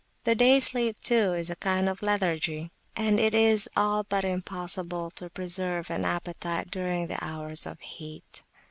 The day sleep, too, is a kind of lethargy, and it is all but impossible to preserve an appetite during the hours of heat.